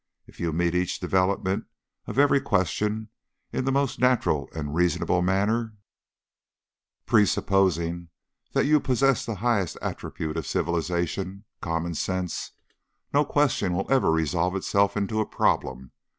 If you meet each development of every question in the most natural and reasonable manner, presupposing that you possess that highest attribute of civilization, common sense, no question will ever resolve itself into a problem.